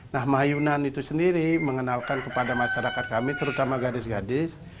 nah mayunan itu sendiri mengenalkan kepada masyarakat kami terutama gadis gadis